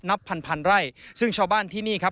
นับพันพันไร่ซึ่งชาวบ้านที่นี่ครับ